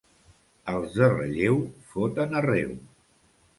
Els de Relleu foten arreu.